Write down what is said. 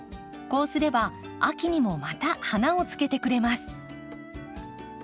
こうすれば秋にもまた花をつけてくれます。